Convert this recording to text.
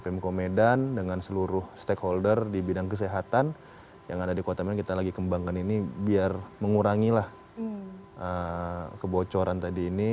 pemko medan dengan seluruh stakeholder di bidang kesehatan yang ada di kota medan kita lagi kembangkan ini biar mengurangilah kebocoran tadi ini